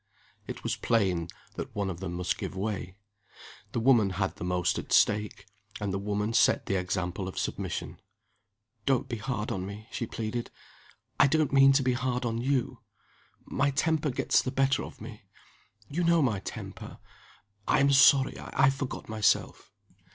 It was plain that one of them must give way. The woman had the most at stake and the woman set the example of submission. "Don't be hard on me," she pleaded. "I don't mean to be hard on you. My temper gets the better of me. You know my temper. I am sorry I forgot myself.